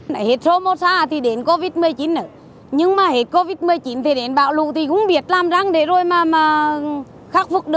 điều này là tình huống của quý vị và các bạn